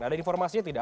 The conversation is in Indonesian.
ada informasinya tidak